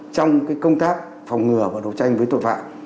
trong công tác phòng ngừa và đấu tranh với tội phạm